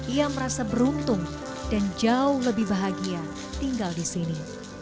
ia merasa beruntung dan jauh lebih bahagia tinggal di sini